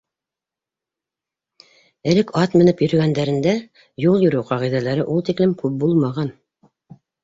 Элек ат менеп йөрөгәндәрендә юл йөрөү ҡағиҙәләре ул тиклем күп булмаған.